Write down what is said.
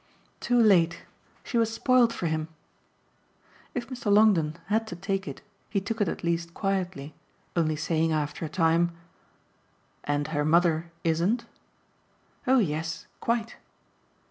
"Too late. She was spoiled for him." If Mr. Longdon had to take it he took it at least quietly, only saying after a time: "And her mother ISN'T?" "Oh yes. Quite."